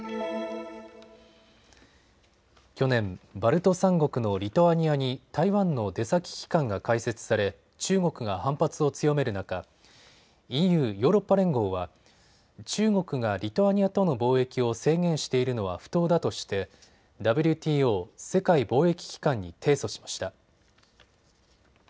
去年、バルト３国のリトアニアに台湾の出先機関が開設され中国が反発を強める中ＥＵ・ヨーロッパ連合は中国がリトアニアとの貿易を制限しているのは不当だとしてＷＴＯ・世界貿易機関に提訴しました。